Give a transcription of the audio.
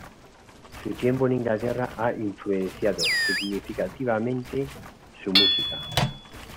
Su tiempo en Inglaterra ha influenciado significativamente su música.